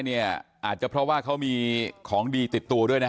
อาจจะเพราะว่าเขามีของดีติดตัวด้วยนะ